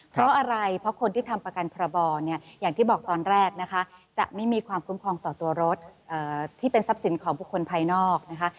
เพราะอะไรเพราะคนที่ทำประกันพระบอเนี่ยอย่างที่บอกตอนแรกนะคะจะไม่มีความคุ้มครองต่อตัวรถที่เป็นทรัพย์สินของบุคคลภายนอกนะคะ